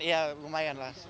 iya lumayan lah